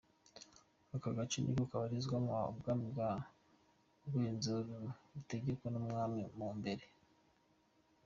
Aka gace niko kabarizwamo ubwami bwa Rwenzururu butegekwa n’ Umwami Mumbere.